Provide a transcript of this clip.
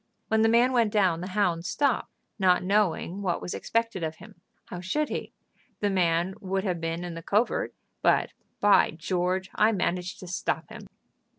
When the man went down the hound stopped, not knowing what was expected of him. How should he? The man would have been in the covert, but, by George! I managed to stop him."